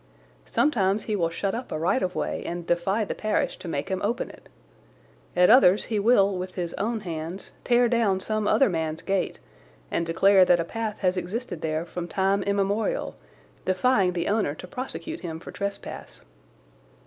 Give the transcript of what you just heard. Sometimes he will shut up a right of way and defy the parish to make him open it. At others he will with his own hands tear down some other man's gate and declare that a path has existed there from time immemorial, defying the owner to prosecute him for trespass.